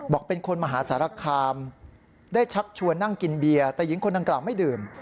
เป็นคนมหาสารคามได้ชักชวนนั่งกินเบียร์แต่หญิงคนดังกล่าวไม่ดื่ม